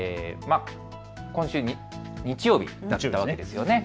今週、日曜日だったんですよね。